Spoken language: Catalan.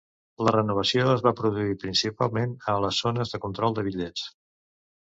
La renovació es va produir principalment a les zones de control de bitllets.